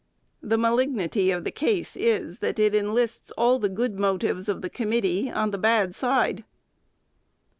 The malignity of the case is, that it enlists all the good motives of the committee on the bad side.